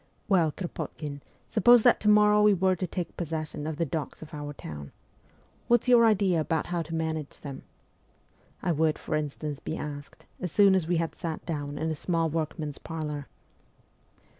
' Well, Kropotkin, suppose that to morrow we were to take possession of the docks of our town. What's your idea about how to manage them ?' I would, for instance, be asked as soon as we had sat down in a small workman's parlour.